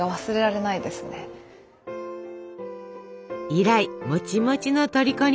以来もちもちのとりこに。